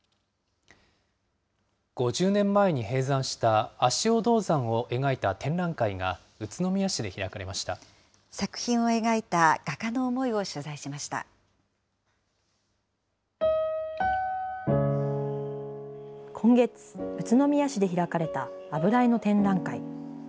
５０年前に閉山した足尾銅山を描いた展覧会が、宇都宮市で開作品を描いた画家の思いを取今月、宇都宮市で開かれた油絵の展覧会。